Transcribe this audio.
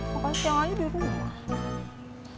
makan siang aja di rumah